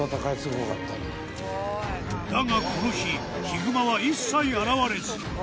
だが、この日、ヒグマは一切現れず。